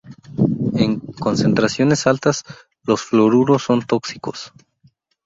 En concentraciones altas los fluoruros son tóxicos.